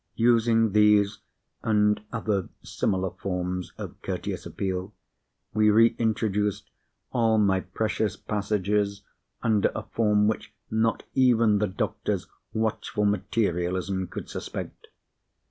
Using these and other similar forms of courteous appeal, we reintroduced all my precious passages under a form which not even the doctor's watchful materialism could suspect.